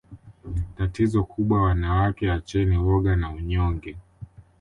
Tatizo kubwa wanawake acheni woga na unyonge